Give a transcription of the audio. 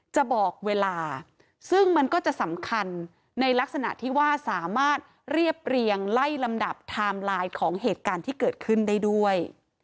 จะบอกเวลาซึ่งมันก็จะสำคัญในลักษณะที่ว่าสามารถเรียบเรียงไล่ลำดับไทม์ไลน์ของเหตุการณ์ที่เกิดขึ้นได้ด้วย